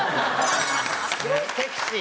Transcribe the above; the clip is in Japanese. すごいセクシー。